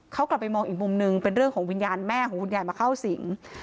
เขากลับไปมองอีกมุมหนึ่งเป็นเรื่องของวิญญาณแม่ของคุณยายมาเข้าสิง